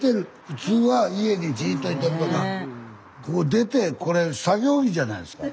普通は家にじっといてるとかこう出てこれ作業着じゃないですか。